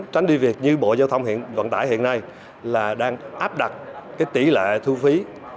tránh đi việc như bộ giao thông vận tải hiện nay là đang áp đặt cái tỷ lệ thu phí